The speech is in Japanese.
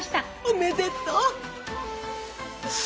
おめでとう。